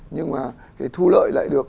nhưng mà thu lợi lại được